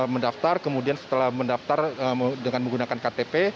mendaftar kemudian setelah mendaftar dengan menggunakan ktp